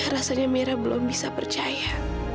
rasanya merah belum bisa percaya